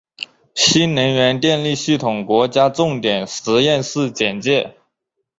新能源电力系统国家重点实验室简介